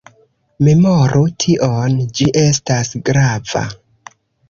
Memoru tion, ĝi estas grava.